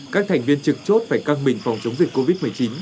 các thành viên trực chốt phải căng mình phòng chống dịch covid một mươi chín